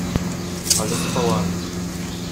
Ale z pałami.